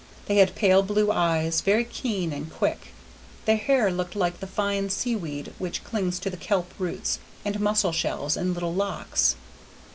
They had pale blue eyes, very keen and quick; their hair looked like the fine sea weed which clings to the kelp roots and mussel shells in little locks.